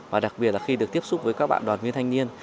và đặc biệt là khi được tiếp xúc với các bạn đoàn viên thanh niên